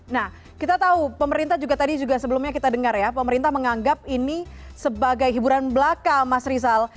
nah kita tahu pemerintah juga tadi juga sebelumnya kita dengar ya pemerintah menganggap ini sebagai hiburan belaka mas rizal